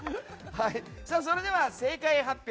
それでは正解発表。